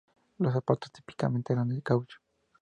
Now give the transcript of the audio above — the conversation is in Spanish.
Los zapatos típicamente eran de "caucho".